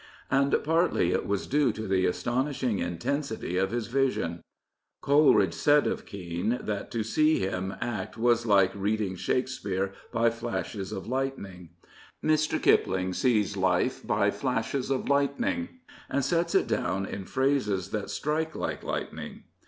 And partly it was due to the astonishing intensity of his vision. Coleridge said of Kean that to see him act was like reading Shakespeare by flashes of light ning. Mr. Kipling sees life by flashes of lightning, and sets it down in phrases that strike like lightning.